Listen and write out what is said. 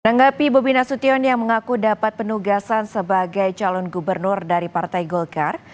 menanggapi bobi nasution yang mengaku dapat penugasan sebagai calon gubernur dari partai golkar